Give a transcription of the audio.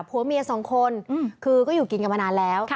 ผัวเมียสองคนคือก็อยู่กินกันมานานแล้ว